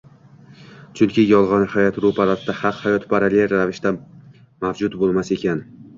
chunki, “yolg‘on hayot” ro‘parasida “haq hayot” parallel ravishda mavjud bo‘lmas ekan